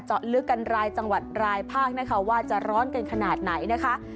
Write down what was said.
ลึกกันรายจังหวัดรายภาคนะคะว่าจะร้อนกันขนาดไหนนะคะ